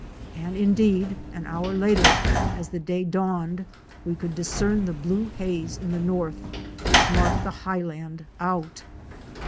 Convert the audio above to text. And, indeed, an hour later, as the day dawned, we could discern the blue haze in the north which marked the high land out.